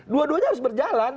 dua duanya harus berjalan